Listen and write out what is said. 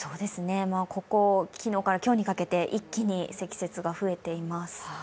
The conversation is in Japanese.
ここ、昨日から今日にかけて一気に積雪が増えています。